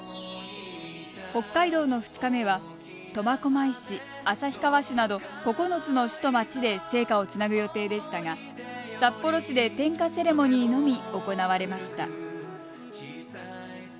北海道の２日目は苫小牧市旭川市など９つの市と町で聖火をつなぐ予定でしたが札幌市で点火セレモニーのみ行われました。